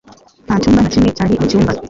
Nta cyumba na kimwe cyari mu cyumba